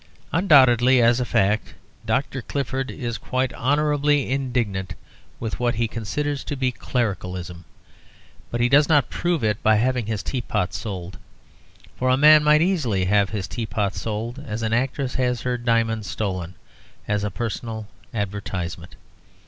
Undoubtedly, as a fact, Dr. Clifford is quite honourably indignant with what he considers to be clericalism, but he does not prove it by having his teapot sold; for a man might easily have his teapot sold as an actress has her diamonds stolen as a personal advertisement.